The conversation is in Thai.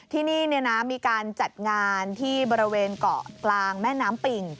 ที่นี่มีการจัดงานที่บริเวณเกาะกลางแม่น้ำปิ่ง